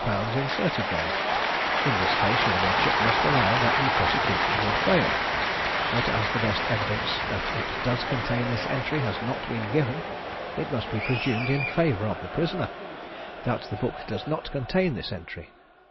_ inserted there, in this case your lordship must allow that the prosecution would fail; but as the best evidence that it does contain this entry has not been given, it must be presumed in favour of the prisoner, that the book does not contain this entry.